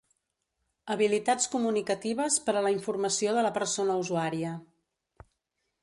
Habilitats comunicatives per a la informació de la persona usuària.